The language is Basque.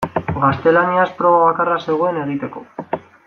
Gaztelaniaz proba bakarra zegoen egiteko.